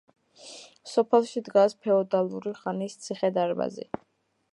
სოფელში დგას ფეოდალური ხანის ციხე-დარბაზი.